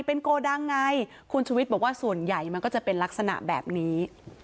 เป็นโกดังไงคุณชุวิตบอกว่าส่วนใหญ่มันก็จะเป็นลักษณะแบบนี้